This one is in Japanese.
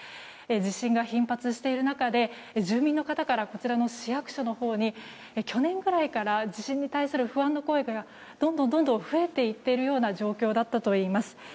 地震が頻発している中で住民の方からこちらの市役所のほうに去年ぐらいから地震に対する不安の声がどんどん増えていっている状況だったといいます。